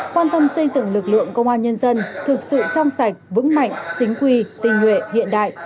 quan tâm xây dựng lực lượng công an nhân dân thực sự trong sạch vững mạnh chính quy tình nguyện hiện đại